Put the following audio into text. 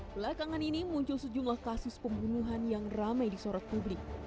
pelakangan ini muncul sejumlah kasus pembunuhan yang ramai di sorot publik